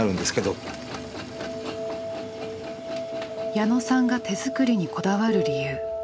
矢野さんが手作りにこだわる理由。